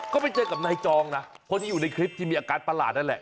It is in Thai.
ก็ไปเจอกับนายจองนะคนที่อยู่ในคลิปที่มีอาการประหลาดนั่นแหละ